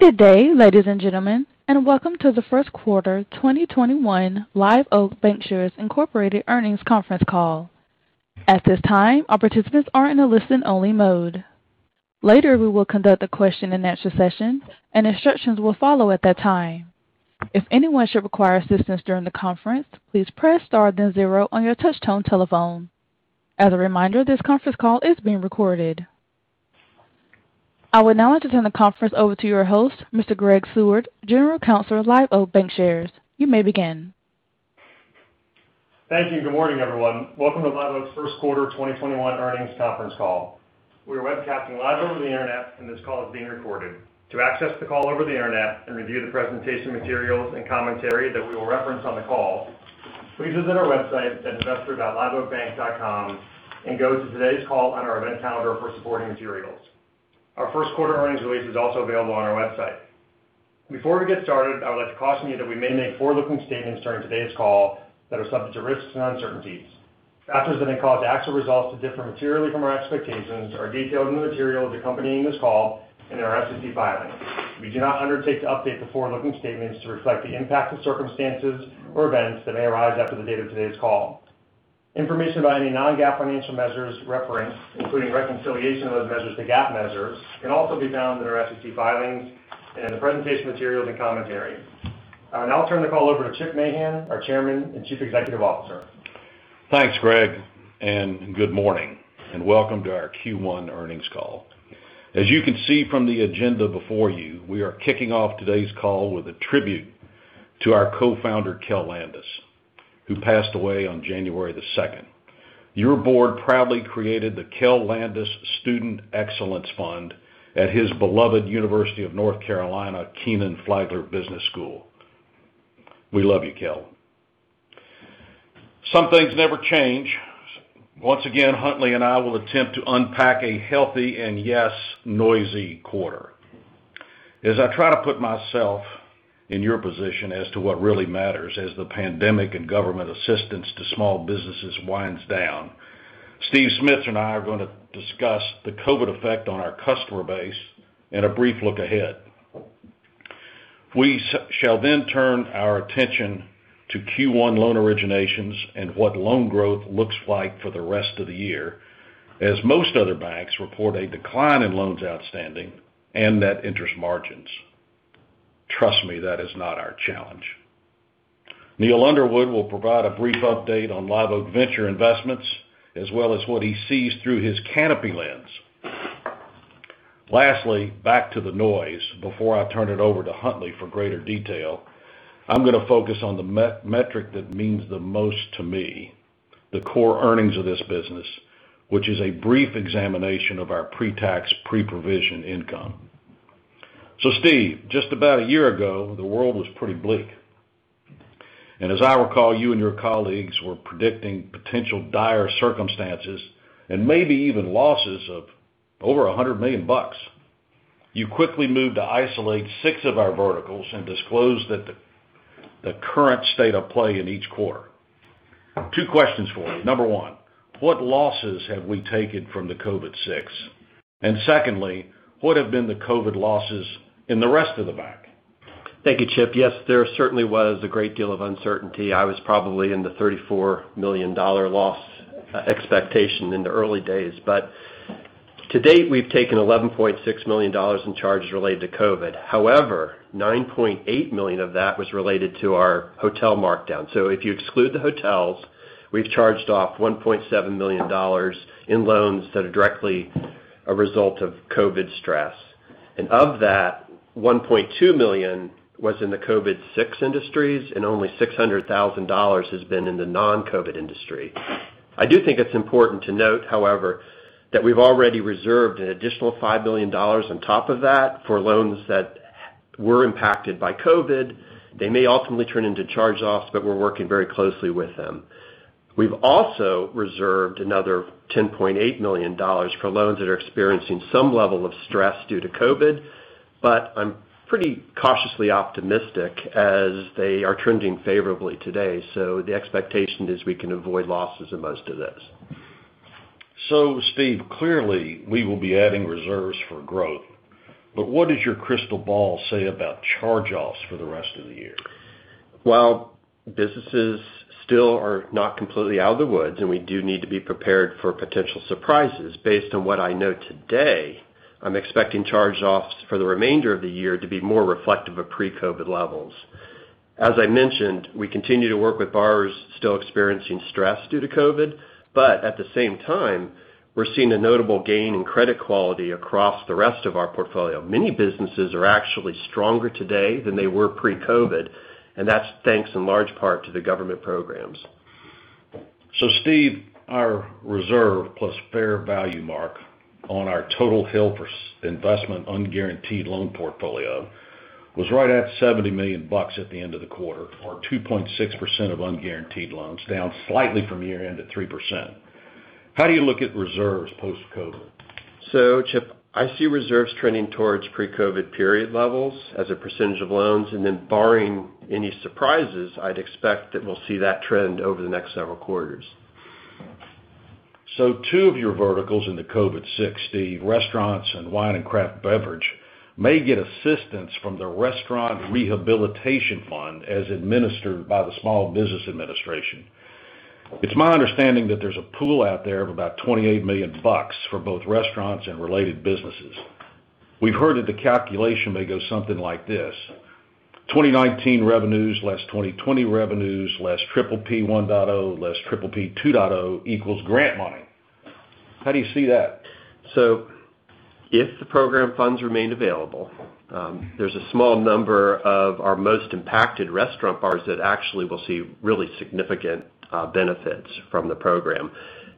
Good day, ladies and gentlemen, and welcome to the first quarter 2021 Live Oak Bancshares, Inc. earnings conference call. I would now like to turn the conference over to your host, Mr. Greg Seward, General Counsel of Live Oak Bancshares. You may begin. Thank you. Good morning, everyone. Welcome to Live Oak's first quarter 2021 earnings conference call. We are webcasting live over the internet, and this call is being recorded. To access the call over the internet and review the presentation materials and commentary that we will reference on the call, please visit our website at investor.liveoakbank.com and go to today's call on our event calendar for supporting materials. Our first quarter earnings release is also available on our website. Before we get started, I would like to caution you that we may make forward-looking statements during today's call that are subject to risks and uncertainties. Factors that may cause actual results to differ materially from our expectations are detailed in the material accompanying this call and in our SEC filings. We do not undertake to update the forward-looking statements to reflect the impact of circumstances or events that may arise after the date of today's call. Information about any non-GAAP financial measures referenced, including reconciliation of those measures to GAAP measures, can also be found in our SEC filings and in the presentation materials and commentary. I will now turn the call over to James Mahan, our Chairman and Chief Executive Officer. Thanks, Greg, good morning, and welcome to our Q1 earnings call. As you can see from the agenda before you, we are kicking off today's call with a tribute to our co-founder, Kel Landis, who passed away on January 2. Your board proudly created the Kel A. Landis Student Excellence Fund at his beloved University of North Carolina, Kenan-Flagler Business School. We love you, Kel. Some things never change. Once again, Huntley and I will attempt to unpack a healthy and yes, noisy quarter. As I try to put myself in your position as to what really matters as the pandemic and government assistance to small businesses winds down, Steve Smits and I are going to discuss the COVID effect on our customer base and a brief look ahead. We shall then turn our attention to Q1 loan originations and what loan growth looks like for the rest of the year, as most other banks report a decline in loans outstanding and net interest margins. Trust me, that is not our challenge. Neil Underwood will provide a brief update on Live Oak venture investments, as well as what he sees through his Canopy lens. Lastly, back to the noise. Before I turn it over to Huntley for greater detail, I'm going to focus on the metric that means the most to me, the core earnings of this business, which is a brief examination of our pre-tax, pre-provision income. Steve, just about a year ago, the world was pretty bleak. As I recall, you and your colleagues were predicting potential dire circumstances and maybe even losses of over $100 million. You quickly moved to isolate six of our verticals and disclose the current state of play in each quarter. Two questions for you. Number one, what losses have we taken from the COVID six? Secondly, what have been the COVID losses in the rest of the bank? Thank you, Chip. Yes, there certainly was a great deal of uncertainty. I was probably in the $34 million loss expectation in the early days, but to date, we've taken $11.6 million in charges related to COVID. However, $9.8 million of that was related to our hotel markdown. If you exclude the hotels, we've charged off $1.7 million in loans that are directly a result of COVID stress. Of that, $1.2 million was in the COVID 6 industries, and only $600,000 has been in the non-COVID industry. I do think it's important to note, however, that we've already reserved an additional $5 million on top of that for loans that were impacted by COVID. They may ultimately turn into charge-offs, but we're working very closely with them. We've also reserved another $10.8 million for loans that are experiencing some level of stress due to COVID. I'm pretty cautiously optimistic as they are trending favorably today. The expectation is we can avoid losses in most of those. Steve, clearly, we will be adding reserves for growth. What does your crystal ball say about charge-offs for the rest of the year? While businesses still are not completely out of the woods, and we do need to be prepared for potential surprises, based on what I know today, I'm expecting charge-offs for the remainder of the year to be more reflective of pre-COVID levels. As I mentioned, we continue to work with borrowers still experiencing stress due to COVID, at the same time, we're seeing a notable gain in credit quality across the rest of our portfolio. Many businesses are actually stronger today than they were pre-COVID, that's thanks in large part to the government programs. Steve, our reserve plus fair value mark on our total held for investment unguaranteed loan portfolio was right at $70 million at the end of the quarter, or 2.6% of unguaranteed loans, down slightly from year-end at 3%. How do you look at reserves post-COVID? Chip, I see reserves trending towards pre-COVID period levels as a percentage of loans, and then barring any surprises, I'd expect that we'll see that trend over the next several quarters. Two of your verticals in the COVID six restaurants and wine and craft beverage may get assistance from the Restaurant Revitalization Fund as administered by the Small Business Administration. It's my understanding that there's a pool out there of about $28 million for both restaurants and related businesses. We've heard that the calculation may go something like this, 2019 revenues less 2020 revenues less PPP 1.0 less PPP 2.0 equals grant money. How do you see that? If the program funds remained available, there's a small number of our most impacted restaurant bars that actually will see really significant benefits from the program.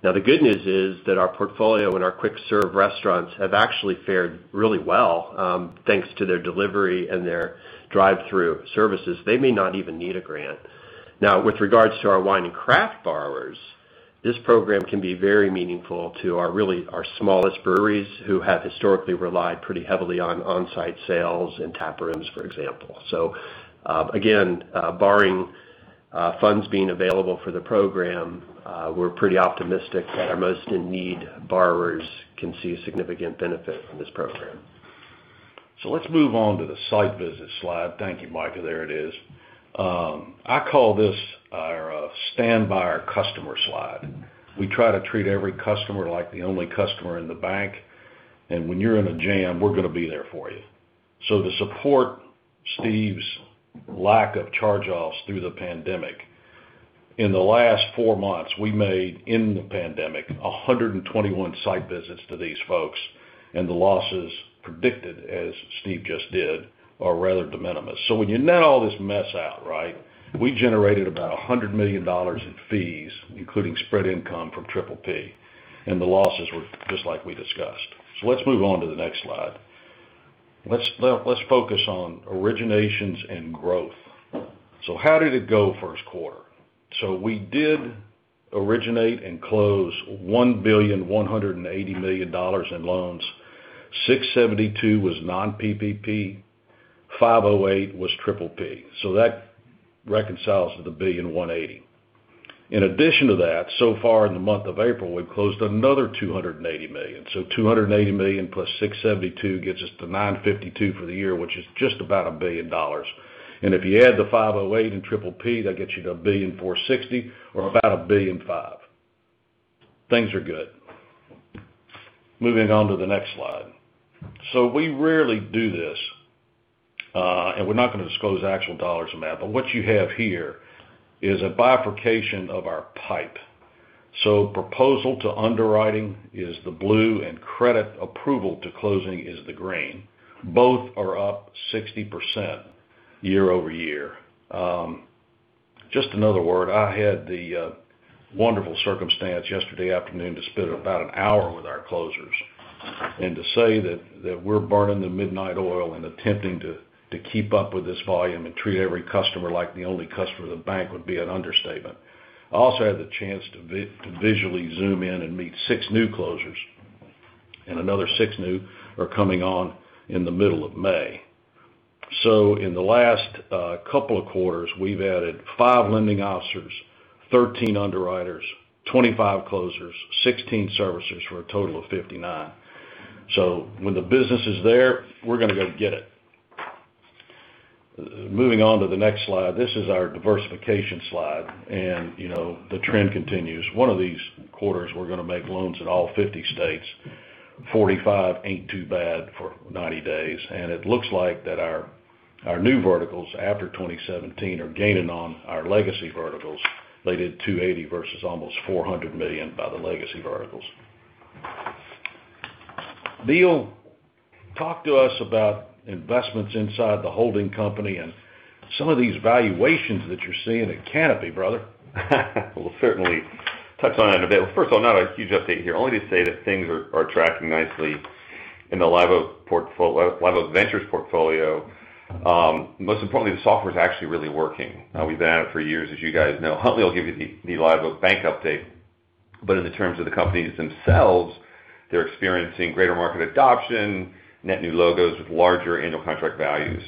The good news is that our portfolio and our quick-serve restaurants have actually fared really well, thanks to their delivery and their drive-through services. They may not even need a grant. With regards to our wine and craft borrowers, this program can be very meaningful to really our smallest breweries who have historically relied pretty heavily on onsite sales in taprooms, for example. Again, barring funds being available for the program, we're pretty optimistic that our most in need borrowers can see a significant benefit from this program. Let's move on to the site visit slide. Thank you, Micah. There it is. I call this our stand by our customer slide. We try to treat every customer like the only customer in the bank. When you're in a jam, we're going to be there for you. To support Steve's lack of charge-offs through the pandemic, in the last four months, we made in the pandemic, 121 site visits to these folks, and the losses predicted, as Steve just did, are rather de minimis. When you net all this mess out, we generated about $100 million in fees, including spread income from PPP. The losses were just like we discussed. Let's move on to the next slide. Let's focus on originations and growth. How did it go first quarter? We did originate and close $1,180,000,000 in loans, $672 million was non-PPP, $508 million was PPP. That reconciles to the $1,180,000,000. In addition to that, so far in the month of April, we've closed another $280 million. $280 million plus $672 million gets us to $952 million for the year, which is just about $1 billion. If you add the $508 million in PPP, that gets you to $1.46 billion or about $1.5 billion. Things are good. Moving on to the next slide. We rarely do this, and we're not going to disclose actual dollars amount, but what you have here is a bifurcation of our pipe. Proposal to underwriting is the blue and credit approval to closing is the green. Both are up 60% year-over-year. Just another word, I had the wonderful circumstance yesterday afternoon to spend about an hour with our closers, and to say that we're burning the midnight oil and attempting to keep up with this volume and treat every customer like the only customer of the bank would be an understatement. I also had the chance to visually zoom in and meet six new closers, and another six new are coming on in the middle of May. In the last couple of quarters, we've added five lending officers, 13 underwriters, 25 closers, 16 servicers for a total of 59. When the business is there, we're going to go get it. Moving on to the next slide. This is our diversification slide, and the trend continues. One of these quarters, we're going to make loans in all 50 states. 45 ain't too bad for 90 days. It looks like that our new verticals after 2017 are gaining on our legacy verticals. They did $280 versus almost $400 million by the legacy verticals. Neil, talk to us about investments inside the holding company and some of these valuations that you're seeing at Canopy, brother. We'll certainly touch on it a bit. First of all, not a huge update here. Only to say that things are tracking nicely in the Live Oak Ventures portfolio. Most importantly, the software's actually really working. We've been at it for years, as you guys know. Huntley will give you the Live Oak Bank update. In the terms of the companies themselves, they're experiencing greater market adoption, net new logos with larger annual contract values.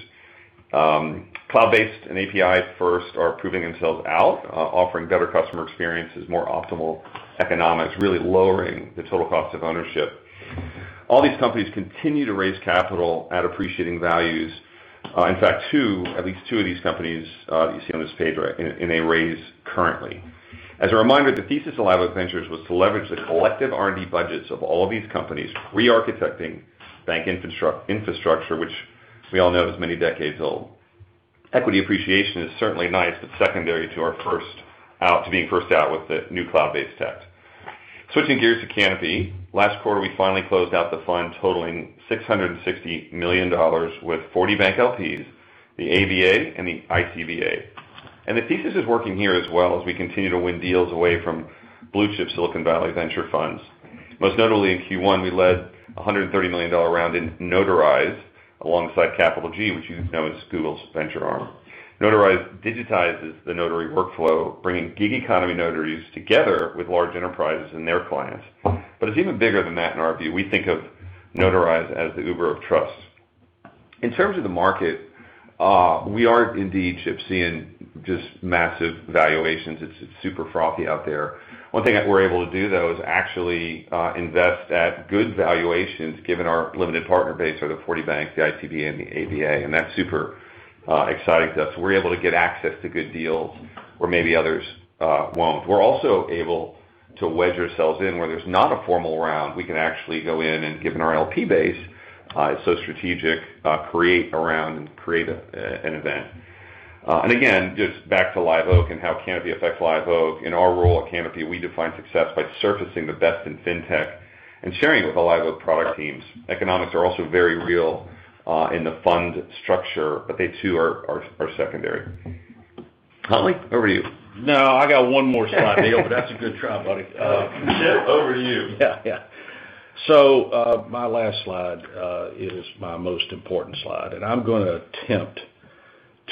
Cloud-based and API first are proving themselves out, offering better customer experiences, more optimal economics, really lowering the total cost of ownership. All these companies continue to raise capital at appreciating values. In fact, at least two of these companies that you see on this page are in a raise currently. As a reminder, the thesis of Live Oak Ventures was to leverage the collective R&D budgets of all of these companies, re-architecting bank infrastructure, which we all know is many decades old. Equity appreciation is certainly nice, but secondary to being first out with the new cloud-based tech. Switching gears to Canopy. Last quarter, we finally closed out the fund totaling $660 million with 40 bank LPs, the ABA, and the ICBA. The thesis is working here as well as we continue to win deals away from blue-chip Silicon Valley venture funds. Most notably in Q1, we led $130 million round in Notarize alongside CapitalG, which you know is Google's venture arm. Notarize digitizes the notary workflow, bringing gig economy notaries together with large enterprises and their clients. It's even bigger than that in our view. We think of Notarize as the Uber of trust. In terms of the market, we are indeed seeing just massive valuations. It's super frothy out there. One thing that we're able to do though, is actually invest at good valuations, given our limited partner base are the 40 banks, the ICBA and the ABA, and that's super exciting to us. We're able to get access to good deals where maybe others won't. We're also able to wedge ourselves in. Where there's not a formal round, we can actually go in and, given our LP base, it's so strategic, create around and create an event. Again, just back to Live Oak and how Canopy affects Live Oak. In our role at Canopy, we define success by surfacing the best in fintech and sharing it with the Live Oak product teams. Economics are also very real in the fund structure, but they too are secondary. Huntley, over to you. No, I got one more slide, Neil, but that's a good try, buddy. Chip, over to you. My last slide is my most important slide, I'm going to attempt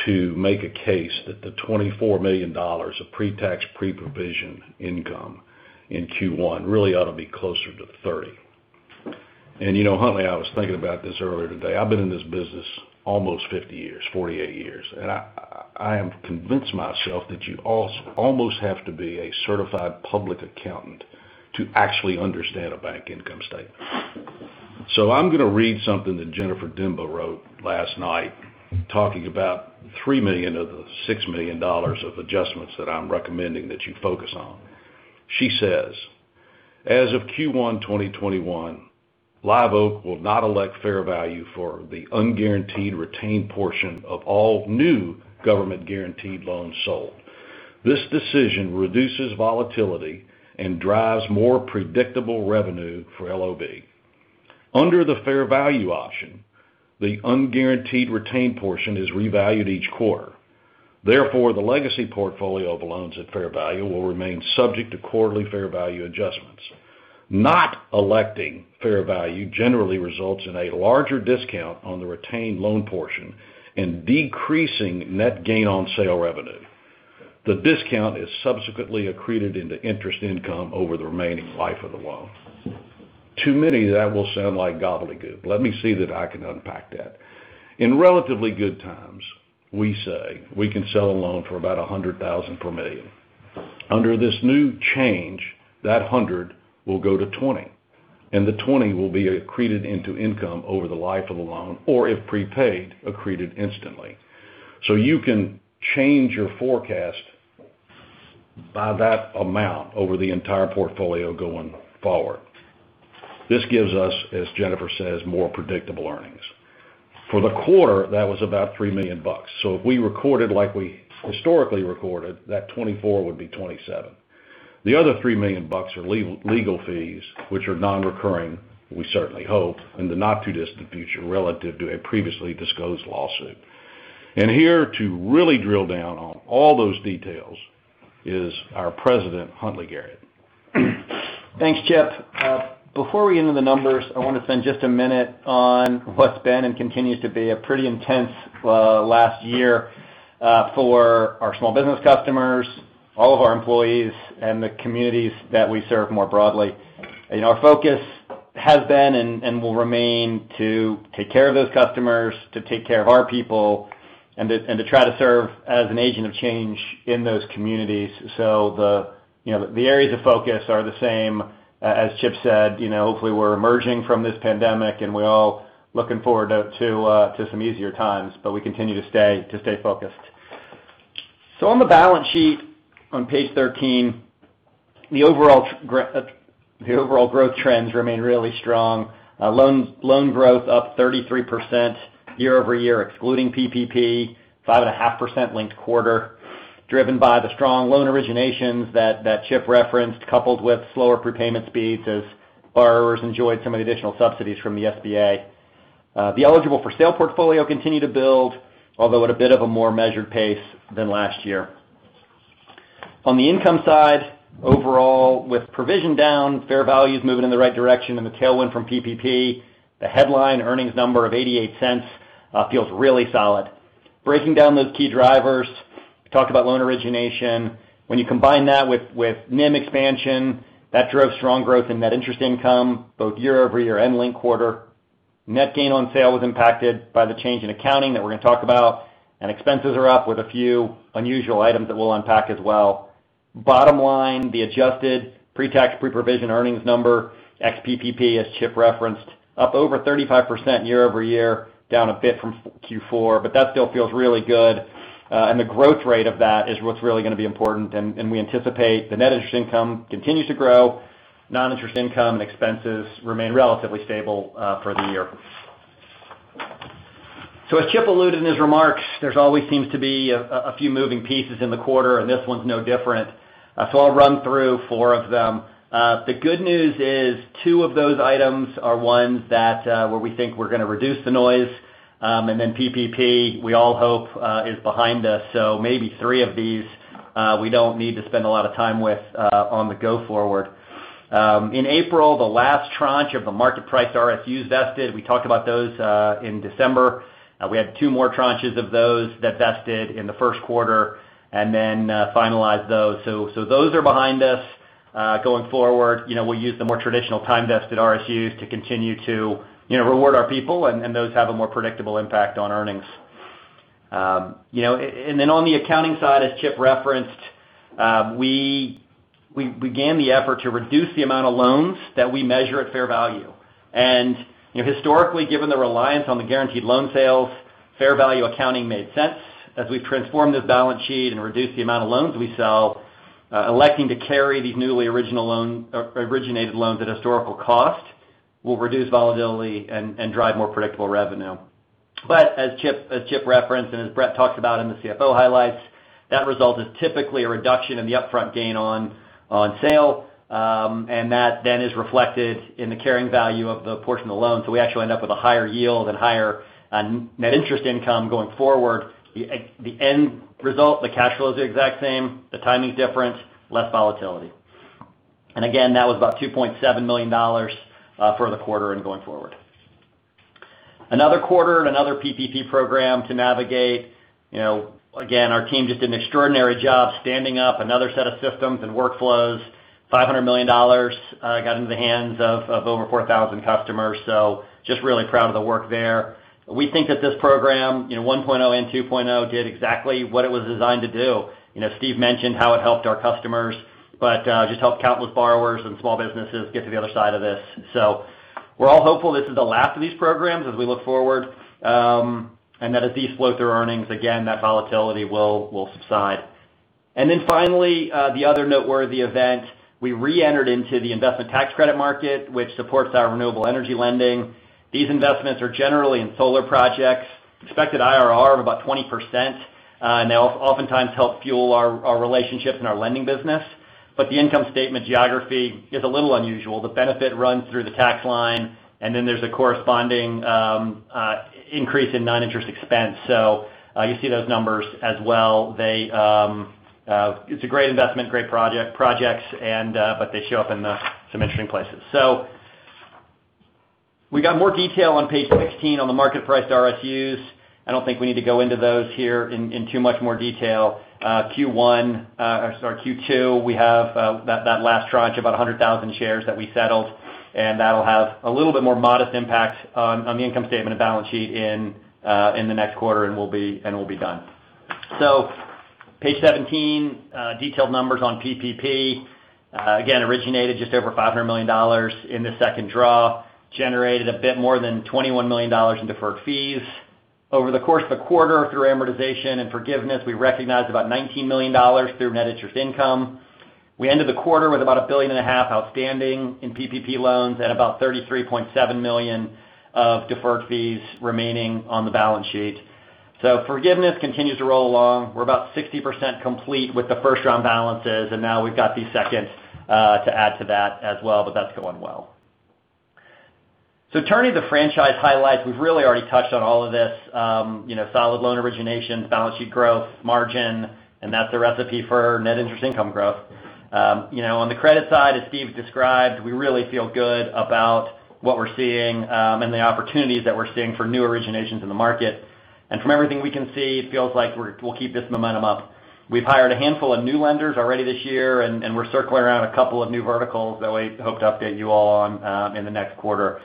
to make a case that the $24 million of pre-tax, pre-provision income in Q1 really ought to be closer to $30 million. Huntley, I was thinking about this earlier today. I've been in this business almost 50 years, 48 years, and I have convinced myself that you almost have to be a certified public accountant to actually understand a bank income statement. I'm going to read something that Jennifer Demba wrote last night talking about $3 million of the $6 million of adjustments that I'm recommending that you focus on. She says, "As of Q1 2021, Live Oak will not elect fair value for the unguaranteed retained portion of all new government-guaranteed loans sold. This decision reduces volatility and drives more predictable revenue for LOB. Under the fair value option, the unguaranteed retained portion is revalued each quarter. Therefore, the legacy portfolio of loans at fair value will remain subject to quarterly fair value adjustments. Not electing fair value generally results in a larger discount on the retained loan portion and decreasing net gain on sale revenue. The discount is subsequently accreted into interest income over the remaining life of the loan. To many, that will sound like gobbledygook. Let me see that I can unpack that. In relatively good times, we say we can sell a loan for about $100,000 per $1 million. Under this new change, that $100 will go to $20, and the $20 will be accreted into income over the life of the loan, or if prepaid, accreted instantly. You can change your forecast by that amount over the entire portfolio going forward. This gives us, as Jennifer says, more predictable earnings. For the quarter, that was about $3 million. If we recorded like we historically recorded, that $24 would be $27. The other $3 million are legal fees, which are non-recurring, we certainly hope, in the not-too-distant future, relative to a previously disclosed lawsuit. Here to really drill down on all those details is our President, Huntley Garriott. Thanks, Chip. Before we get into the numbers, I want to spend just a minute on what's been and continues to be a pretty intense last year for our small business customers, all of our employees, and the communities that we serve more broadly. Our focus has been and will remain to take care of those customers, to take care of our people, and to try to serve as an agent of change in those communities. The areas of focus are the same. As Chip said, hopefully, we're emerging from this pandemic, and we're all looking forward to some easier times, but we continue to stay focused. On the balance sheet on page 13, the overall growth trends remain really strong. Loan growth up 33% year-over-year, excluding PPP, 5.5% linked-quarter, driven by the strong loan originations that Chip referenced, coupled with slower prepayment speeds as borrowers enjoyed some of the additional subsidies from the SBA. The eligible-for-sale portfolio continued to build, although at a bit of a more measured pace than last year. On the income side, overall, with provision down, fair value's moving in the right direction, and the tailwind from PPP, the headline earnings number of $0.88 feels really solid. Breaking down those key drivers, we talked about loan origination. When you combine that with NIM expansion, that drove strong growth in net interest income, both year-over-year and linked-quarter. Net gain on sale was impacted by the change in accounting that we're going to talk about, and expenses are up with a few unusual items that we'll unpack as well. Bottom line, the adjusted pre-tax, pre-provision earnings number, ex-PPP, as Chip referenced, up over 35% year-over-year, down a bit from Q4, that still feels really good. The growth rate of that is what's really going to be important, we anticipate the net interest income continues to grow. Non-interest income and expenses remain relatively stable for the year. As Chip alluded in his remarks, there always seems to be a few moving pieces in the quarter, this one's no different. I'll run through four of them. The good news is two of those items are ones where we think we're going to reduce the noise, PPP, we all hope, is behind us. Maybe three of these we don't need to spend a lot of time with on the go forward. In April, the last tranche of the market price RSUs vested. We talked about those in December. We had two more tranches of those that vested in the first quarter. Finalized those. Those are behind us. Going forward, we'll use the more traditional time-vested RSUs to continue to reward our people. Those have a more predictable impact on earnings. On the accounting side, as Chip referenced, we began the effort to reduce the amount of loans that we measure at fair value. Historically, given the reliance on the guaranteed loan sales, fair value accounting made sense. As we've transformed this balance sheet and reduced the amount of loans we sell, electing to carry these newly originated loans at historical cost will reduce volatility and drive more predictable revenue. As Chip referenced, and as Brett talked about in the CFO highlights, that result is typically a reduction in the upfront gain on sale. That is reflected in the carrying value of the portion of the loan. We actually end up with a higher yield and higher net interest income going forward. The end result, the cash flow is the exact same, the timing's different, less volatility. Again, that was about $2.7 million for the quarter and going forward. Another quarter, another PPP program to navigate. Again, our team just did an extraordinary job standing up another set of systems and workflows. $500 million got into the hands of over 4,000 customers, so just really proud of the work there. We think that this program, 1.0 and 2.0, did exactly what it was designed to do. Steve Smits mentioned how it helped our customers, but just helped countless borrowers and small businesses get to the other side of this. We're all hopeful this is the last of these programs as we look forward. That as these float through earnings again, that volatility will subside. Finally, the other noteworthy event, we re-entered into the investment tax credit market, which supports our renewable energy lending. These investments are generally in solar projects, expected IRR of about 20%, and they oftentimes help fuel our relationship and our lending business. The income statement geography is a little unusual. The benefit runs through the tax line, then there's a corresponding increase in non-interest expense. You see those numbers as well. It's a great investment, great projects, but they show up in some interesting places. We got more detail on page 16 on the market-priced RSUs. I don't think we need to go into those here in too much more detail. Q2, we have that last tranche, about 100,000 shares that we settled, and that'll have a little bit more modest impact on the income statement and balance sheet in the next quarter, and we'll be done. Page 17, detailed numbers on PPP. Again, originated just over $500 million in the second draw, generated a bit more than $21 million in deferred fees. Over the course of the quarter through amortization and forgiveness, we recognized about $19 million through net interest income. We ended the quarter with about $1.5 billion outstanding in PPP loans and about $33.7 million of deferred fees remaining on the balance sheet. Forgiveness continues to roll along. We're about 60% complete with the first-round balances. Now we've got these seconds to add to that as well. That's going well. Turning to franchise highlights. We've really already touched on all of this. Solid loan originations, balance sheet growth, margin, and that's the recipe for net interest income growth. On the credit side, as Steven Smits described, we really feel good about what we're seeing and the opportunities that we're seeing for new originations in the market. From everything we can see, it feels like we'll keep this momentum up. We've hired a handful of new lenders already this year, and we're circling around a couple of new verticals that we hope to update you all on in the next quarter.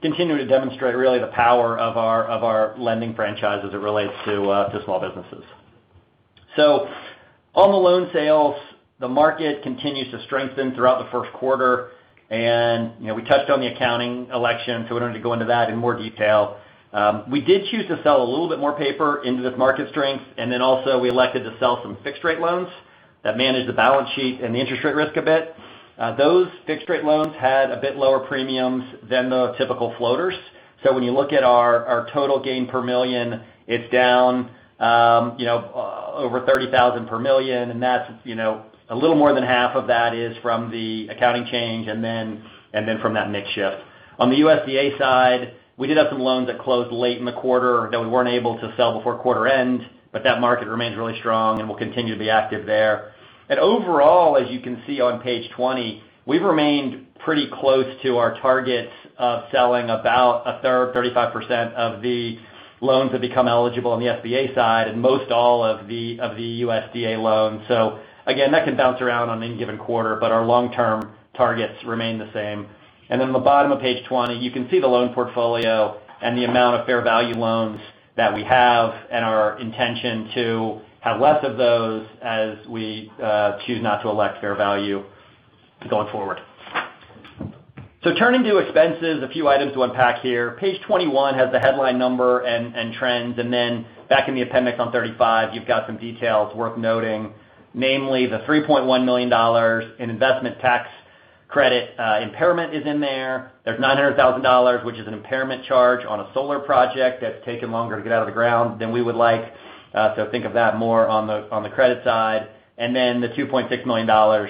Continuing to demonstrate really the power of our lending franchise as it relates to small businesses. On the loan sales, the market continues to strengthen throughout the first quarter, and we touched on the accounting election, we don't need to go into that in more detail. We did choose to sell a little bit more paper into this market strength. Also we elected to sell some fixed-rate loans that manage the balance sheet and the interest rate risk a bit. Those fixed-rate loans had a bit lower premiums than the typical floaters. When you look at our total gain per million, it's down over $30,000 per million, and a little more than half of that is from the accounting change from that mix shift. On the USDA side, we did have some loans that closed late in the quarter that we weren't able to sell before quarter end, but that market remains really strong, and we'll continue to be active there. Overall, as you can see on page 20, we've remained pretty close to our targets of selling about a third, 35% of the loans that become eligible on the SBA side and most all of the USDA loans. Again, that can bounce around on any given quarter, but our long-term targets remain the same. On the bottom of page 20, you can see the loan portfolio and the amount of fair value loans that we have and our intention to have less of those as we choose not to elect fair value going forward. Turning to expenses, a few items to unpack here. Page 21 has the headline number and trends, back in the appendix on 35, you've got some details worth noting, namely the $3.1 million in investment tax credit impairment is in there. There's $900,000, which is an impairment charge on a solar project that's taken longer to get out of the ground than we would like. Think of that more on the credit side. The $2.6 million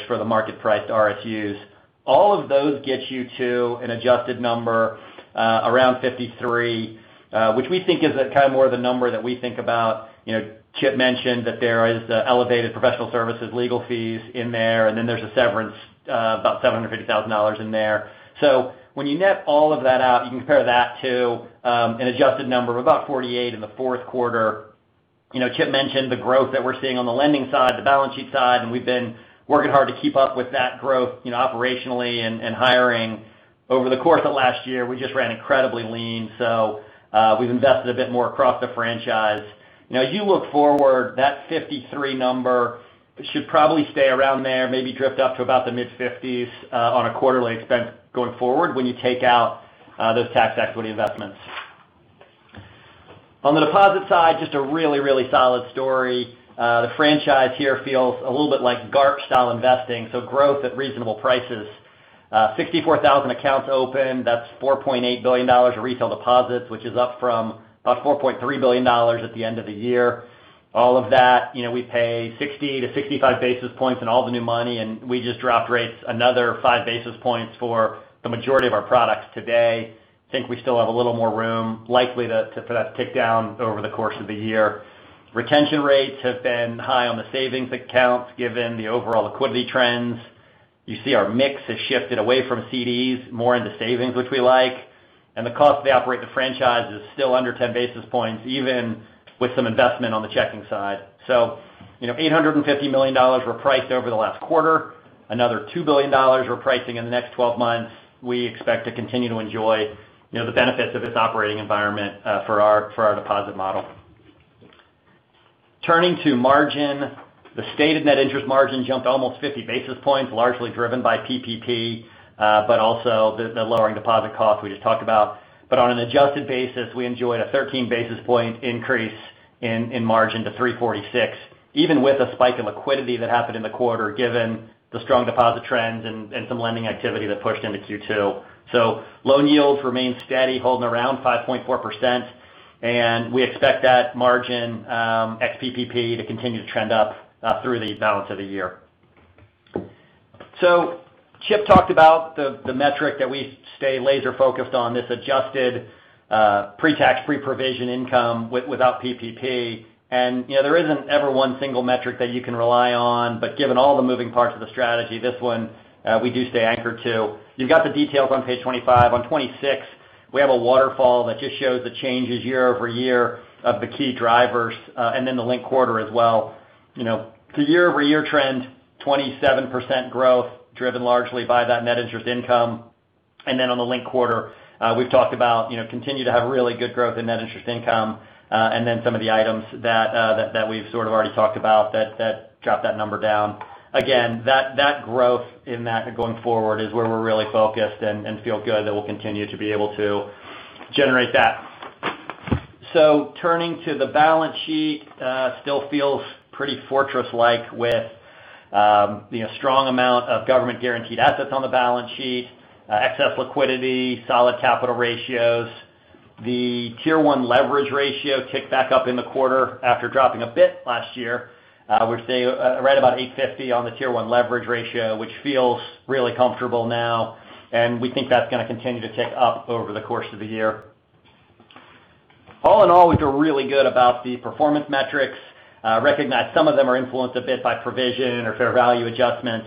for the market-priced RSUs. All of those get you to an adjusted number around 53, which we think is kind of more the number that we think about. James Mahan mentioned that there is the elevated professional services legal fees in there, and then there's a severance, about $750,000 in there. When you net all of that out, you can compare that to an adjusted number of about $48 in the fourth quarter. Chip mentioned the growth that we're seeing on the lending side, the balance sheet side, and we've been working hard to keep up with that growth operationally and hiring. Over the course of last year, we just ran incredibly lean. We've invested a bit more across the franchise. As you look forward, that $53 number should probably stay around there, maybe drift up to about the $mid-50s on a quarterly expense going forward when you take out those tax equity investments. On the deposit side, just a really, really solid story. The franchise here feels a little bit like GARP style investing, so growth at reasonable prices. 64,000 accounts open. That's $4.8 billion of retail deposits, which is up from about $4.3 billion at the end of the year. All of that, we pay 60 to 65 basis points on all the new money, and we just dropped rates another five basis points for the majority of our products today. I think we still have a little more room likely for that to tick down over the course of the year. Retention rates have been high on the savings accounts, given the overall liquidity trends. You see our mix has shifted away from CDs more into savings, which we like. The cost to operate the franchise is still under 10 basis points, even with some investment on the checking side. $850 million were priced over the last quarter. Another $2 billion we're pricing in the next 12 months. We expect to continue to enjoy the benefits of this operating environment for our deposit model. Turning to margin, the stated net interest margin jumped almost 50 basis points, largely driven by PPP but also the lowering deposit cost we just talked about. On an adjusted basis, we enjoyed a 13 basis point increase in margin to 346, even with a spike in liquidity that happened in the quarter, given the strong deposit trends and some lending activity that pushed into Q2. Loan yields remain steady, holding around 5.4%, and we expect that margin ex-PPP to continue to trend up through the balance of the year. Chip talked about the metric that we stay laser-focused on, this adjusted pre-tax, pre-provision income without PPP. There isn't ever one single metric that you can rely on, but given all the moving parts of the strategy, this one we do stay anchored to. You've got the details on page 25. On 26, we have a waterfall that just shows the changes year-over-year of the key drivers and then the linked quarter as well. The year-over-year trend, 27% growth, driven largely by that net interest income. On the linked quarter, we've talked about continue to have really good growth in net interest income and then some of the items that we've sort of already talked about that drop that number down. Again, that growth in that going forward is where we're really focused and feel good that we'll continue to be able to generate that. Turning to the balance sheet, still feels pretty fortress-like with strong amount of government-guaranteed assets on the balance sheet, excess liquidity, solid capital ratios. The Tier 1 leverage ratio ticked back up in the quarter after dropping a bit last year. We're right about 850 on the Tier 1 leverage ratio, which feels really comfortable now, and we think that's going to continue to tick up over the course of the year. All in all, we feel really good about the performance metrics. Recognize some of them are influenced a bit by provision or fair value adjustments.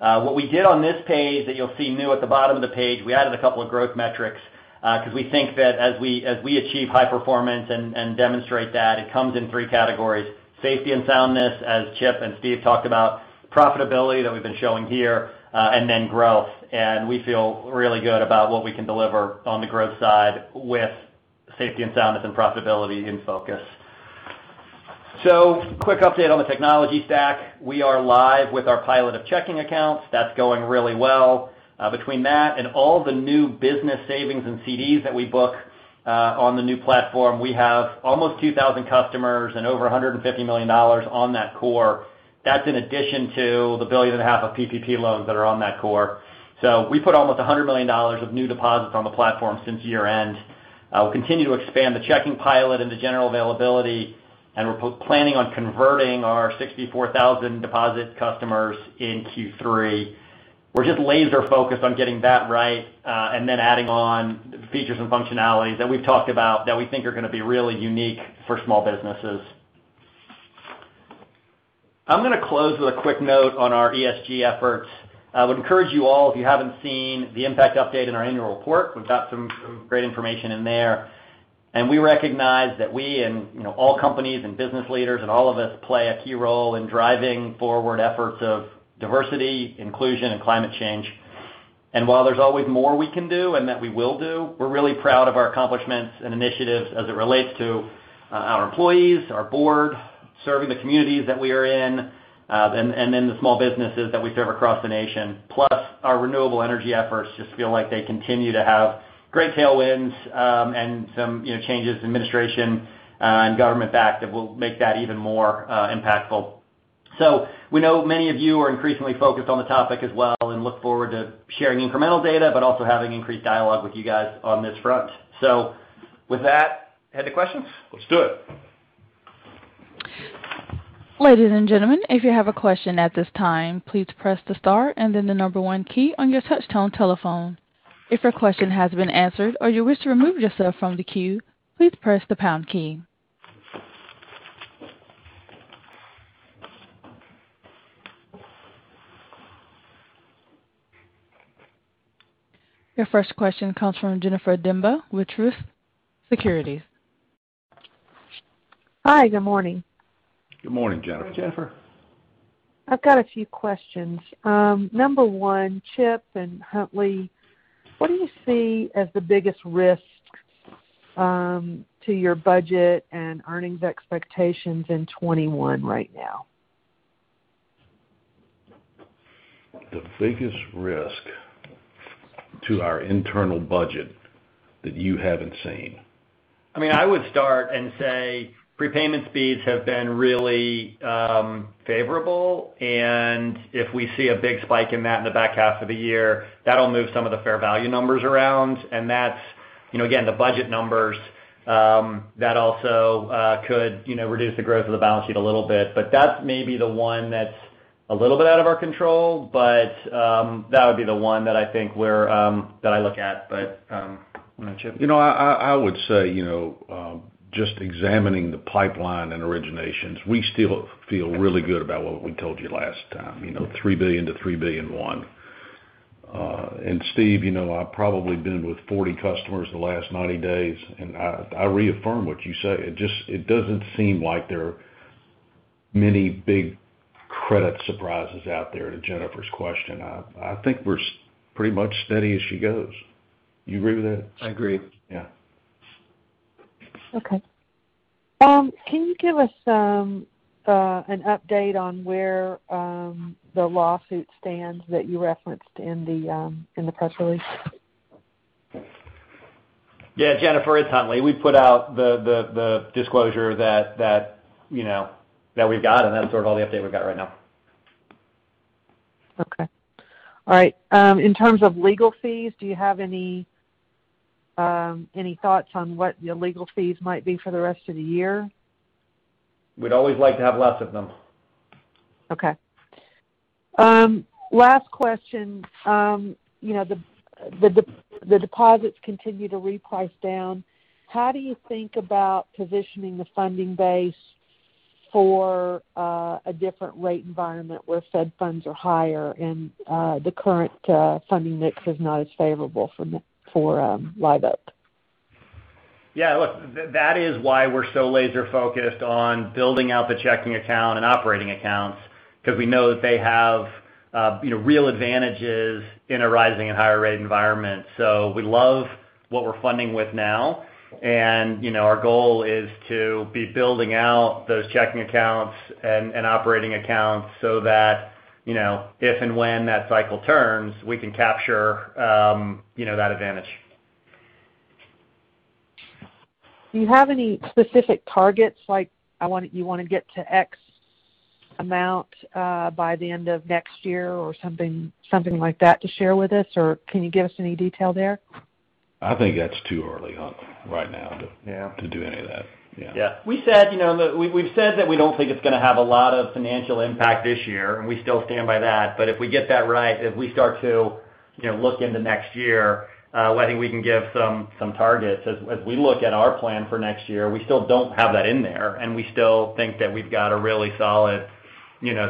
What we did on this page that you'll see new at the bottom of the page, we added a couple of growth metrics because we think that as we achieve high performance and demonstrate that, it comes in three categories: safety and soundness, as Chip and Steve talked about, profitability that we've been showing here, and then growth. We feel really good about what we can deliver on the growth side with safety and soundness and profitability in focus. Quick update on the technology stack. We are live with our pilot of checking accounts. That's going really well. Between that and all the new business savings and CDs that we book on the new platform, we have almost 2,000 customers and over $150 million on that core. That's in addition to the billion and a half of PPP loans that are on that core. We put almost $100 million of new deposits on the platform since year-end. We'll continue to expand the checking pilot into general availability, and we're planning on converting our 64,000 deposit customers in Q3. We're just laser-focused on getting that right and then adding on features and functionalities that we've talked about that we think are going to be really unique for small businesses. I'm going to close with a quick note on our ESG efforts. I would encourage you all, if you haven't seen the impact update in our annual report, we've got some great information in there. We recognize that we and all companies and business leaders and all of us play a key role in driving forward efforts of diversity, inclusion, and climate change. While there's always more we can do and that we will do, we're really proud of our accomplishments and initiatives as it relates to our employees, our board, serving the communities that we are in, and then the small businesses that we serve across the nation. Our renewable energy efforts just feel like they continue to have great tailwinds and some changes in administration and government-backed that will make that even more impactful. We know many of you are increasingly focused on the topic as well and look forward to sharing incremental data, but also having increased dialogue with you guys on this front. With that, head to questions? Let's do it. Ladies and gentlemen, if you have a question at this time, please press the star and then the number 1 key on your touchtone telephone. If your question has been answered or you wish to remove yourself from the queue, please press the pound key. Your first question comes from Jennifer Dembo with Truist Securities. Hi, good morning. Good morning, Jennifer. Good morning, Jennifer. I've got a few questions. Number one, Chip and Huntley, what do you see as the biggest risk to your budget and earnings expectations in 2021 right now? The biggest risk to our internal budget that you haven't seen. I would start and say prepayment speeds have been really favorable. If we see a big spike in that in the back half of the year, that'll move some of the fair value numbers around. That's, again, the budget numbers, that also could reduce the growth of the balance sheet a little bit. That may be the one that's a little bit out of our control, but that would be the one that I think that I look at. Why don't Chip? I would say, just examining the pipeline and originations, we still feel really good about what we told you last time, $3 billion to $3.1 billion. Steve, I've probably been with 40 customers in the last 90 days, I reaffirm what you say. It doesn't seem like there are many big credit surprises out there to Jennifer's question. I think we're pretty much steady as she goes. You agree with that? I agree. Yeah. Okay. Can you give us an update on where the lawsuit stands that you referenced in the press release? Yeah, Jennifer, it's Huntley. We put out the disclosure that we've got, and that's sort of all the update we've got right now. Okay. All right. In terms of legal fees, do you have any thoughts on what your legal fees might be for the rest of the year? We'd always like to have less of them. Last question. The deposits continue to reprice down. How do you think about positioning the funding base for a different rate environment where Fed funds are higher and the current funding mix is not as favorable for Live Oak? Yeah, look, that is why we're so laser-focused on building out the checking account and operating accounts because we know that they have real advantages in a rising and higher rate environment. We love what we're funding with now, and our goal is to be building out those checking accounts and operating accounts so that if and when that cycle turns, we can capture that advantage. Do you have any specific targets like you want to get to X amount by the end of next year or something like that to share with us, or can you give us any detail there? I think that's too early, Hunt, right now. Yeah to do any of that. Yeah. Yeah. We've said that we don't think it's going to have a lot of financial impact this year, and we still stand by that. If we get that right, if we start to look into next year, I think we can give some targets. As we look at our plan for next year, we still don't have that in there, and we still think that we've got a really solid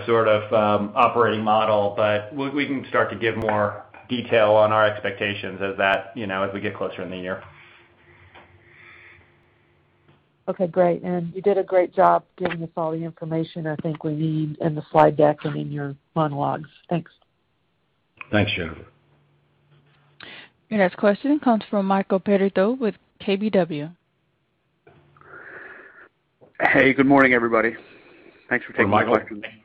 sort of operating model. We can start to give more detail on our expectations as we get closer in the year. Okay, great. You did a great job giving us all the information I think we need in the slide deck and in your monologues. Thanks. Thanks, Jennifer. Your next question comes from Michael Perito with KBW. Hey, good morning, everybody. Thanks for taking my questions. Hey,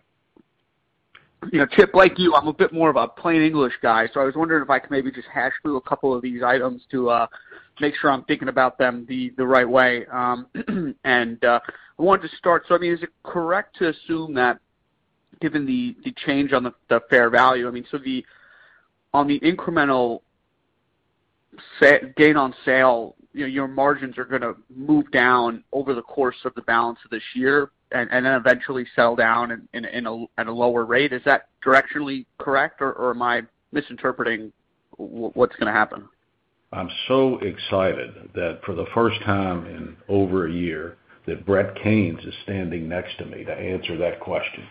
Michael. Chip, like you, I'm a bit more of a plain English guy. I was wondering if I could maybe just hash through a couple of these items to make sure I'm thinking about them the right way. I wanted to start, is it correct to assume that given the change on the fair value, on the incremental gain on sale, your margins are going to move down over the course of the balance of this year and then eventually settle down at a lower rate? Is that directionally correct, am I misinterpreting what's going to happen? I'm so excited that for the first time in over a year that Brett Caines is standing next to me to answer that question.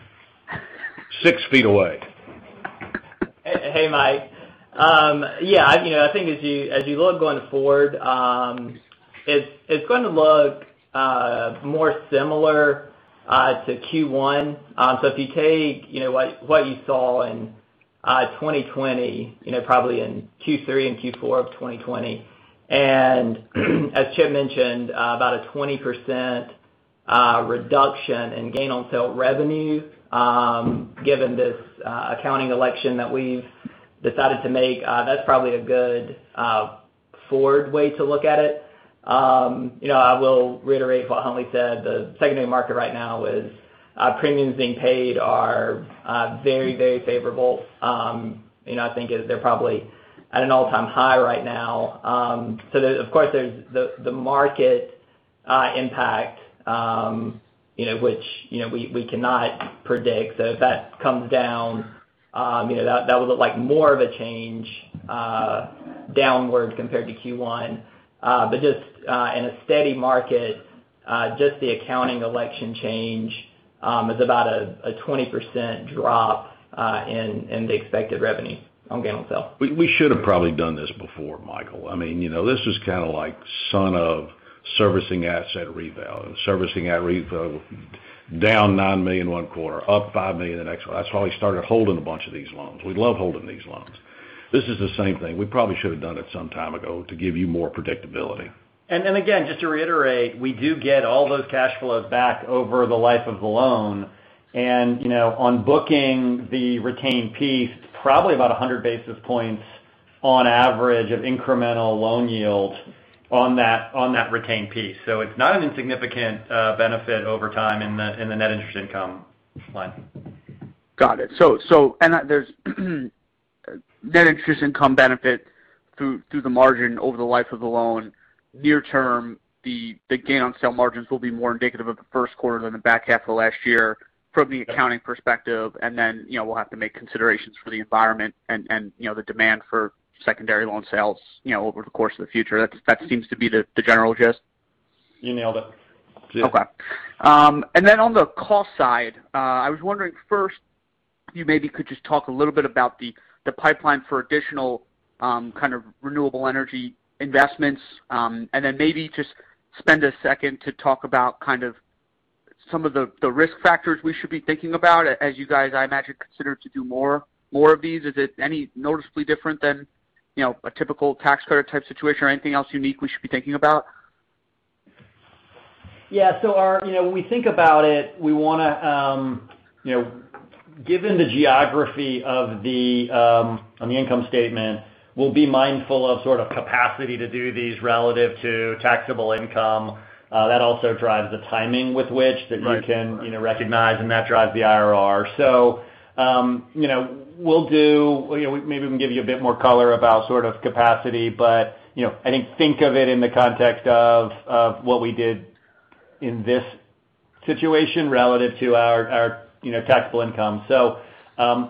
Six feet away. Hey, Mike. Yeah. I think as you look going forward, it's going to look more similar to Q1. If you take what you saw in 2020, probably in Q3 and Q4 of 2020. As Chip mentioned, about a 20% reduction in gain on sale revenue, given this accounting election that we've decided to make, that's probably a good forward way to look at it. I will reiterate what Huntley said. The secondary market right now is premiums being paid are very, very favorable. I think they're probably at an all-time high right now. Of course, there's the market impact which we cannot predict. If that comes down, that would look like more of a change downward compared to Q1. Just in a steady market Just the accounting election change is about a 20% drop in the expected revenue on gain on sale. We should have probably done this before, Michael. This was kind of like son of servicing asset reval. Servicing reval down $9 million one quarter, up $5 million the next one. That's why we started holding a bunch of these loans. We love holding these loans. This is the same thing. We probably should have done it some time ago to give you more predictability. Again, just to reiterate, we do get all those cash flows back over the life of the loan. On booking the retained piece, it's probably about 100 basis points on average of incremental loan yield on that retained piece. It's not an insignificant benefit over time in the net interest income line. Got it. There's net interest income benefit through the margin over the life of the loan. Near term, the gain on sale margins will be more indicative of the first quarter than the back half of last year from the accounting perspective. We'll have to make considerations for the environment and the demand for secondary loan sales over the course of the future. That seems to be the general gist? You nailed it. Okay. On the cost side, I was wondering first, you maybe could just talk a little bit about the pipeline for additional kind of renewable energy investments. Maybe just spend a second to talk about some of the risk factors we should be thinking about as you guys, I imagine, consider to do more of these. Is it any noticeably different than a typical tax credit type situation or anything else unique we should be thinking about? Yeah. When we think about it, given the geography on the income statement, we'll be mindful of sort of capacity to do these relative to taxable income. That also drives the timing with which that you can recognize, and that drives the IRR. Maybe we can give you a bit more color about sort of capacity. I think of it in the context of what we did in this situation relative to our taxable income.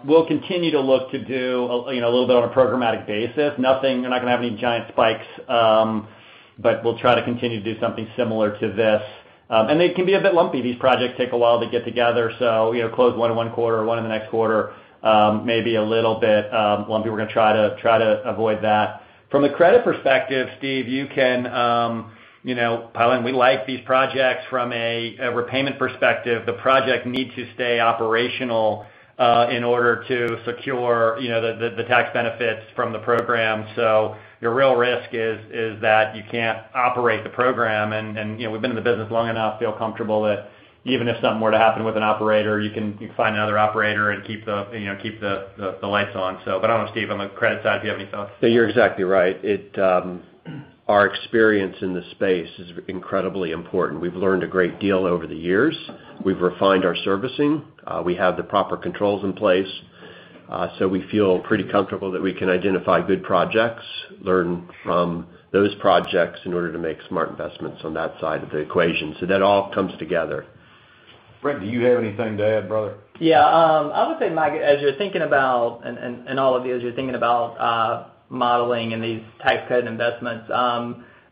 We'll continue to look to do a little bit on a programmatic basis. You're not going to have any giant spikes. We'll try to continue to do something similar to this. They can be a bit lumpy. These projects take a while to get together. Close one in one quarter, one in the next quarter. Maybe a little bit lumpy. We're going to try to avoid that. From a credit perspective, Steve, you can pile in. We like these projects from a repayment perspective. The project needs to stay operational in order to secure the tax benefits from the program. Your real risk is that you can't operate the program. We've been in the business long enough to feel comfortable that even if something were to happen with an operator, you can find another operator and keep the lights on. I don't know, Steve, on the credit side, do you have any thoughts? No, you're exactly right. Our experience in this space is incredibly important. We've learned a great deal over the years. We've refined our servicing. We have the proper controls in place. We feel pretty comfortable that we can identify good projects, learn from those projects in order to make smart investments on that side of the equation. That all comes together. Brett, do you have anything to add, brother? I would say, Mike, as you're thinking about, and all of you, as you're thinking about modeling and these tax credit investments,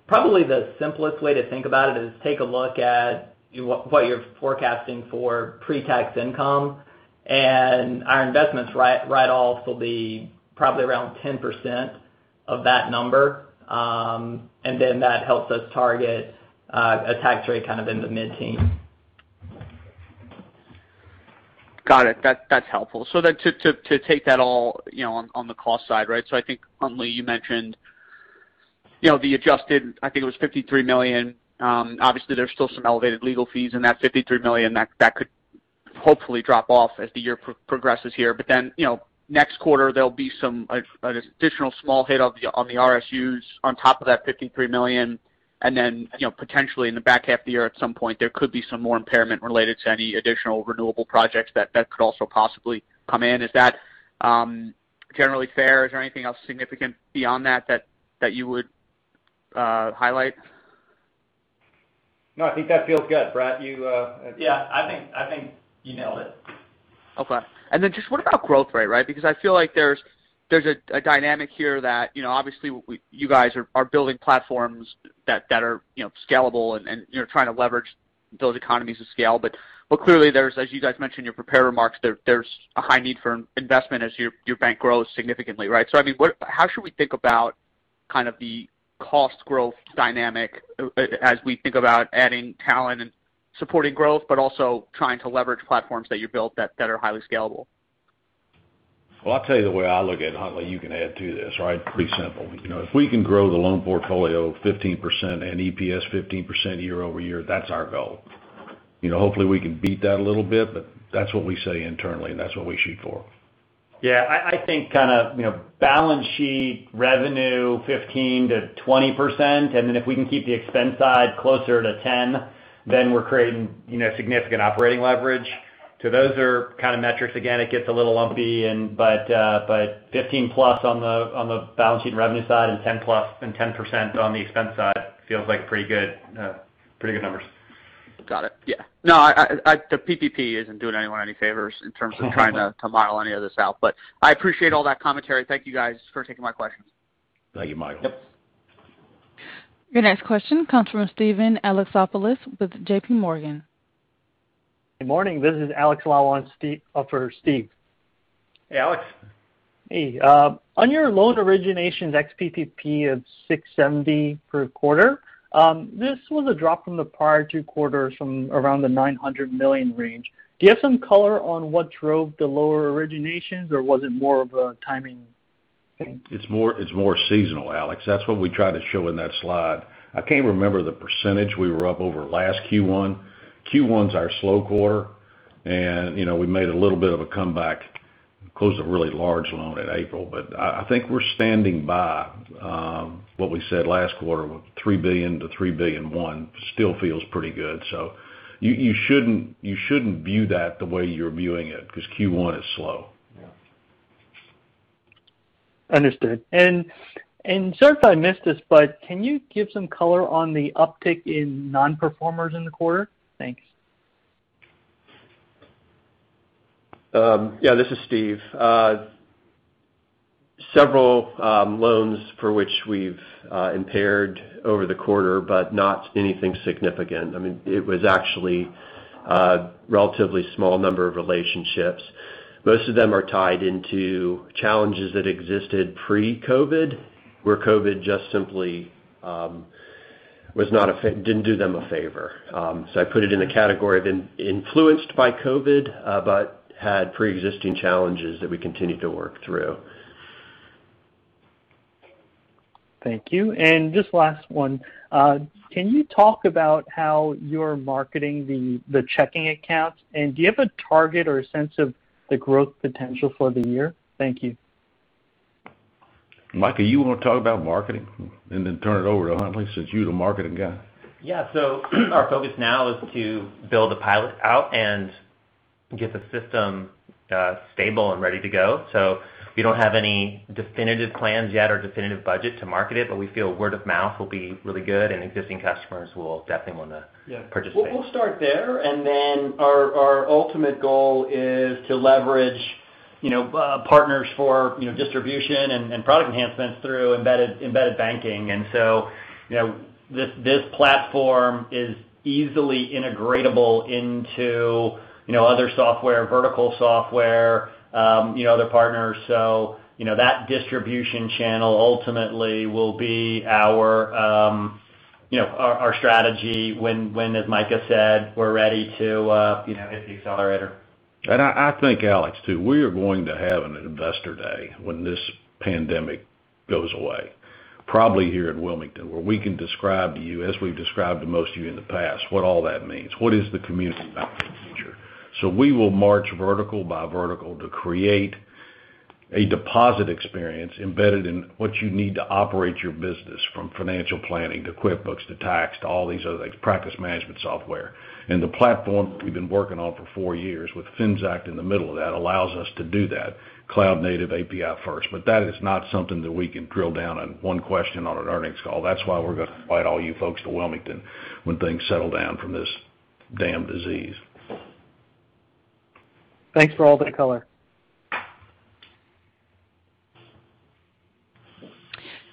probably the simplest way to think about it is take a look at what you're forecasting for pre-tax income. Our investments write-offs will be probably around 10% of that number. That helps us target a tax rate kind of in the mid-teens. Got it. That's helpful. To take that all on the cost side, right? I think, Huntley, you mentioned the adjusted, I think it was $53 million. Obviously, there's still some elevated legal fees in that $53 million that could hopefully drop off as the year progresses here. Next quarter, there'll be an additional small hit on the RSUs on top of that $53 million. Potentially in the back half of the year, at some point, there could be some more impairment related to any additional renewable projects that could also possibly come in. Is that generally fair? Is there anything else significant beyond that you would highlight? No, I think that feels good. Brett. Yeah. I think you nailed it. What about growth rate, right? I feel like there's a dynamic here that obviously you guys are building platforms that are scalable and you're trying to leverage those economies of scale. Clearly there's, as you guys mentioned in your prepared remarks, there's a high need for investment as your bank grows significantly, right? I mean, how should we think about kind of the cost growth dynamic as we think about adding talent and supporting growth, but also trying to leverage platforms that you built that are highly scalable? Well, I'll tell you the way I look at it, Huntley, you can add to this, right? Pretty simple. If we can grow the loan portfolio 15% and EPS 15% year-over-year, that's our goal. Hopefully, we can beat that a little bit, but that's what we say internally, and that's what we shoot for. I think kind of balance sheet revenue 15%-20%, and then if we can keep the expense side closer to 10, then we're creating significant operating leverage. Those are kind of metrics. Again, it gets a little lumpy. 15 plus on the balance sheet and revenue side, and 10 plus and 10% on the expense side feels like pretty good numbers. Got it. Yeah. The PPP isn't doing anyone any favors in terms of trying to model any of this out. I appreciate all that commentary. Thank you guys for taking my questions. Thank you, Michael. Yep. Your next question comes from Steven Alexopoulos with JPMorgan. Good morning. This is Alex Lau on for Steve. Hey, Alex. Hey. On your loan originations ex-PPP of $670 per quarter, this was a drop from the prior two quarters from around the $900 million range. Do you have some color on what drove the lower originations, or was it more of a timing thing? It's more seasonal, Alex. That's what we try to show in that slide. I can't remember the percentage we were up over last Q1. Q1's our slow quarter, and we made a little bit of a comeback, closed a really large loan in April. I think we're standing by what we said last quarter, $3 billion-$3.1 billion still feels pretty good. You shouldn't view that the way you're viewing it, because Q1 is slow. Yeah. Understood. Sorry if I missed this, can you give some color on the uptick in non-performers in the quarter? Thanks. Yeah, this is Steve. Several loans for which we've impaired over the quarter, but not anything significant. It was actually a relatively small number of relationships. Most of them are tied into challenges that existed pre-COVID, where COVID just simply didn't do them a favor. I put it in the category of influenced by COVID, but had preexisting challenges that we continue to work through. Thank you. Just last one. Can you talk about how you're marketing the checking accounts, and do you have a target or a sense of the growth potential for the year? Thank you. Michael, you want to talk about marketing and then turn it over to Huntley, since you're the marketing guy? Yeah. Our focus now is to build the pilot out and get the system stable and ready to go. We don't have any definitive plans yet or definitive budget to market it, but we feel word of mouth will be really good, and existing customers will definitely want to participate. We'll start there. Our ultimate goal is to leverage partners for distribution and product enhancements through embedded banking. This platform is easily integratable into other software, vertical software, other partners. That distribution channel ultimately will be our strategy when, as Micah said, we're ready to hit the accelerator. I think, Alex, too, we are going to have an investor day when this pandemic goes away, probably here at Wilmington, where we can describe to you, as we've described to most of you in the past, what all that means. What is the community about the future? We will march vertical by vertical to create a deposit experience embedded in what you need to operate your business, from financial planning to QuickBooks to tax to all these other things, practice management software. The platform we've been working on for four years with Finxact in the middle of that allows us to do that cloud-native API first. That is not something that we can drill down on one question on an earnings call. That's why we're going to invite all you folks to Wilmington when things settle down from this damn disease. Thanks for all the color.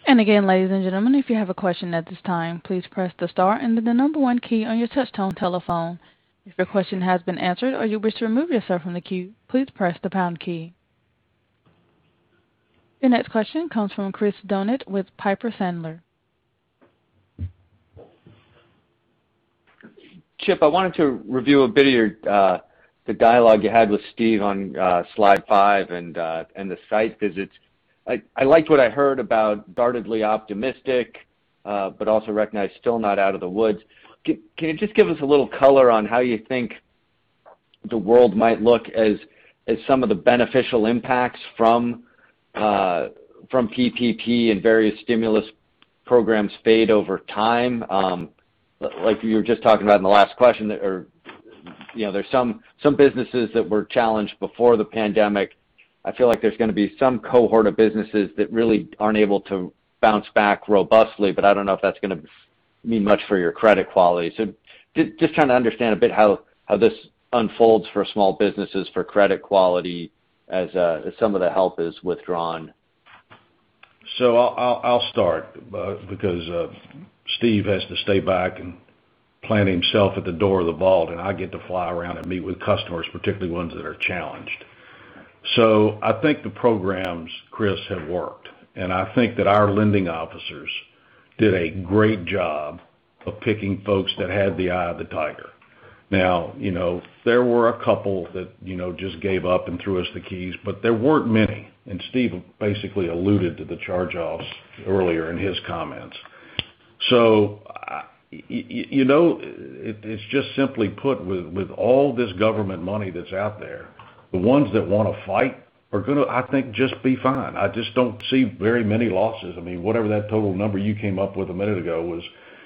Again, ladies and gentlemen, if you have a question at this time, please press the star and then the 1 key on your touch-tone telephone. If your question has been answered or you wish to remove yourself from the queue, please press the pound key. Your next question comes from Chris Donat with Piper Sandler. James Mahan, I wanted to review a bit of the dialogue you had with Steven Smits on slide five and the site visits. I liked what I heard about guardedly optimistic, but also recognize still not out of the woods. Can you just give us a little color on how you think the world might look as some of the beneficial impacts from PPP and various stimulus programs fade over time? Like you were just talking about in the last question, there's some businesses that were challenged before the pandemic. I feel like there's going to be some cohort of businesses that really aren't able to bounce back robustly, but I don't know if that's going to mean much for your credit quality. Just trying to understand a bit how this unfolds for small businesses for credit quality as some of the help is withdrawn. I'll start because Steve has to stay back and plant himself at the door of the vault, and I get to fly around and meet with customers, particularly ones that are challenged. I think the programs, Chris, have worked, and I think that our lending officers did a great job of picking folks that had the eye of the tiger. Now, there were a couple that just gave up and threw us the keys, but there weren't many, and Steve basically alluded to the charge-offs earlier in his comments. It's just simply put with all this government money that's out there, the ones that want to fight are going to, I think, just be fine. I just don't see very many losses. Whatever that total number you came up with a minute ago was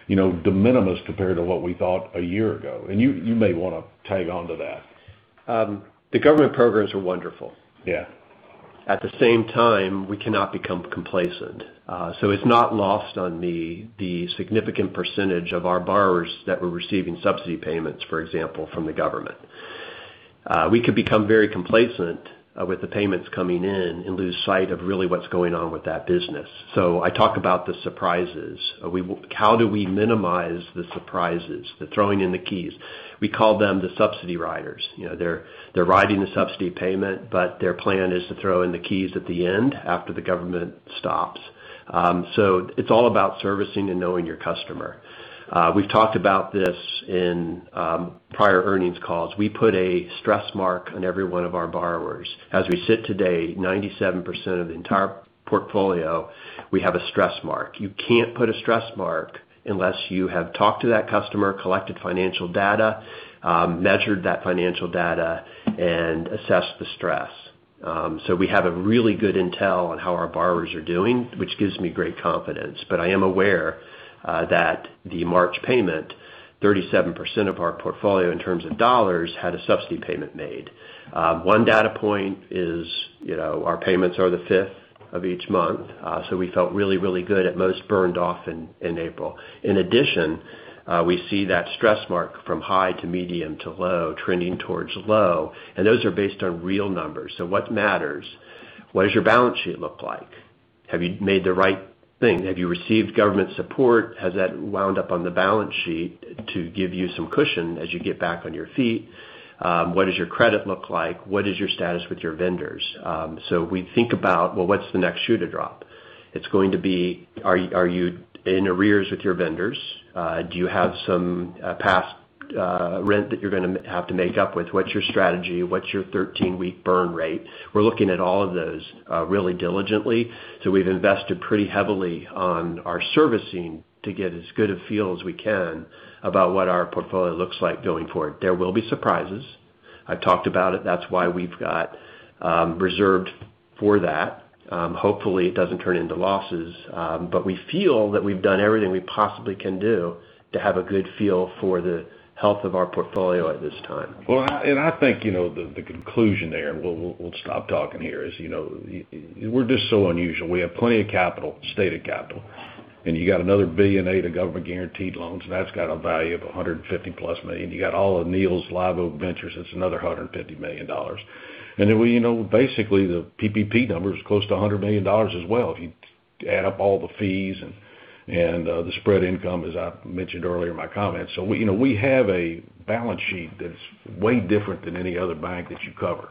de minimis compared to what we thought a year ago. You may want to tag onto that. The government programs were wonderful. Yeah. At the same time, we cannot become complacent. It's not lost on me the significant percentage of our borrowers that were receiving subsidy payments, for example, from the government. We could become very complacent with the payments coming in and lose sight of really what's going on with that business. I talk about the surprises. How do we minimize the surprises, the throwing in the keys? We call them the subsidy riders. They're riding the subsidy payment, but their plan is to throw in the keys at the end after the government stops. It's all about servicing and knowing your customer. We've talked about this in prior earnings calls. We put a stress mark on every one of our borrowers. As we sit today, 97% of the entire portfolio, we have a stress mark. You can't put a stress mark unless you have talked to that customer, collected financial data, measured that financial data, and assessed the stress. We have a really good intel on how our borrowers are doing, which gives me great confidence. I am aware that the March payment, 37% of our portfolio in terms of dollars, had a subsidy payment made. One data point is our payments are the fifth of each month. We felt really, really good at most burned off in April. In addition, we see that stress mark from high to medium to low trending towards low, and those are based on real numbers. What matters? What does your balance sheet look like? Have you made the right thing? Have you received government support? Has that wound up on the balance sheet to give you some cushion as you get back on your feet? What does your credit look like? What is your status with your vendors? We think about, well, what's the next shoe to drop? It's going to be are you in arrears with your vendors? Do you have some past rent that you're going to have to make up with? What's your strategy? What's your 13-week burn rate? We're looking at all of those really diligently. We've invested pretty heavily on our servicing to get as good a feel as we can about what our portfolio looks like going forward. There will be surprises. I've talked about it. That's why we've got reserved for that. Hopefully, it doesn't turn into losses. We feel that we've done everything we possibly can do to have a good feel for the health of our portfolio at this time. I think the conclusion there, we'll stop talking here, is we're just so unusual. We have plenty of capital, stated capital, you got another $1.8 billion of government-guaranteed loans, that's got a value of $150+ million. You got all of Neil's Live Oak Ventures, that's another $150 million. Basically, the PPP number is close to $100 million as well if you add up all the fees and the spread income, as I mentioned earlier in my comments. We have a balance sheet that's way different than any other bank that you cover.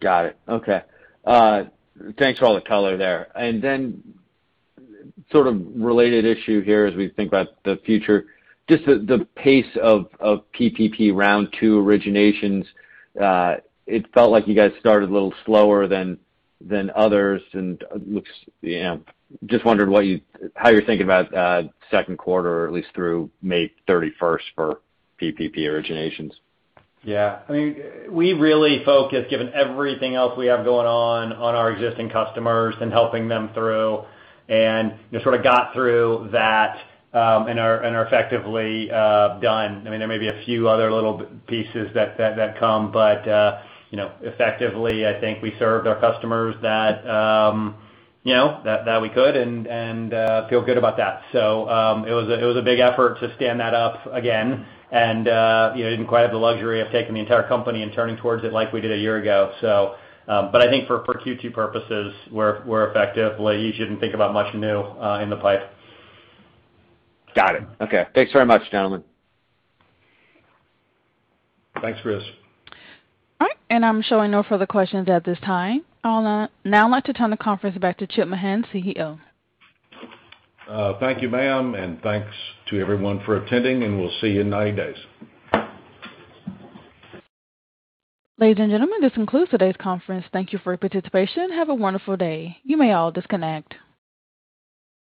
Got it. Okay. Thanks for all the color there. Sort of related issue here as we think about the future, just the pace of PPP round two originations, it felt like you guys started a little slower than others, just wondered how you're thinking about second quarter, at least through May 31st for PPP originations. We really focus, given everything else we have going on our existing customers and helping them through and just sort of got through that and are effectively done. There may be a few other little pieces that come, but effectively, I think we served our customers that we could and feel good about that. It was a big effort to stand that up again and didn't quite have the luxury of taking the entire company and turning towards it like we did a year ago. I think for Q2 purposes, we're effectively, you shouldn't think about much new in the pipe. Got it. Okay. Thanks very much, gentlemen. Thanks, Chris. All right. I'm showing no further questions at this time. I would now like to turn the conference back to James Mahan, CEO. Thank you, ma'am, and thanks to everyone for attending, and we'll see you in 90 days. Ladies and gentlemen, this concludes today's conference. Thank you for your participation. Have a wonderful day. You may all disconnect.